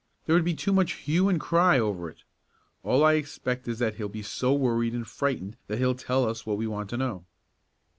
There would be too much hue and cry over it. All I expect is that he'll be so worried and frightened that he'll tell us what we want to know."